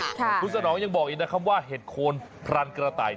คุณสนองยังบอกอีกนะครับว่าเห็ดโคนพรานกระต่าย